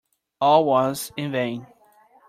All was in vain.